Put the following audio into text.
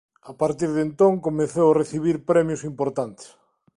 A partir de entón comezou a recibir premios importantes.